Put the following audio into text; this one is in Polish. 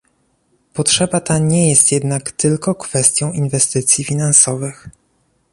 Potrzeba ta nie jest jednak tylko kwestią inwestycji finansowych